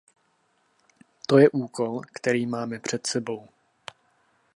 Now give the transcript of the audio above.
To je úkol, který máme před sebou.